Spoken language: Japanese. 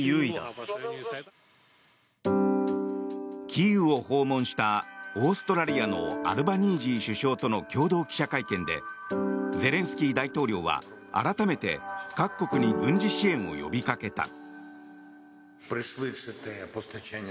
キーウを訪問したオーストラリアのアルバニージー首相との共同記者会見でゼレンスキー大統領は改めて各国に軍事支援を呼びかけた。